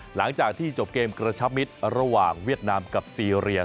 หลังจากที่จบเกมกระชับมิตรระหว่างเวียดนามกับซีเรีย